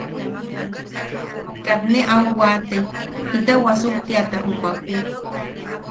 Kat ne au wate jita wasuktiata jumaku.